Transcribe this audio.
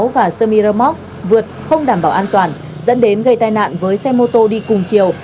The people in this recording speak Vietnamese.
và semi remote vượt không đảm bảo an toàn dẫn đến gây tai nạn với xe mô tô đi cùng chiều